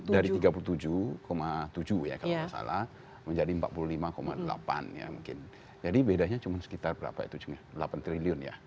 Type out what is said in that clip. dari tiga puluh tujuh tujuh ya kalau tidak salah menjadi empat puluh lima delapan ya mungkin jadi bedanya cuma sekitar berapa itu cuma delapan triliun ya